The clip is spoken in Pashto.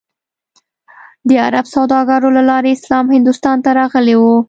د عرب سوداګرو له لارې اسلام هندوستان ته راغلی و.